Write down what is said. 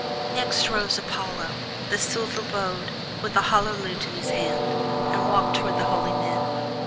Next rose Apollo, the Silver bowed, with a hollow lute in his hand, and walked toward the holy men.